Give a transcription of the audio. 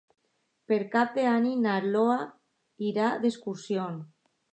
Per Cap d'Any na Lola irà d'excursió.